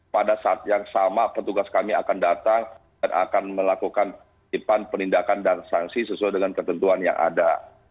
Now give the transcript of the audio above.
pada saat yang sama petugas kami akan datang dan akan melakukan titipan penindakan dan sanksi sesuai dengan ketentuan yang ada